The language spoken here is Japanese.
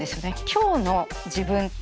今日の自分。